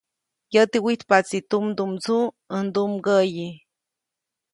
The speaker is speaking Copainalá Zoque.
Yäti wijtpaʼtsi tumdumdsuʼ ndumgäʼyi.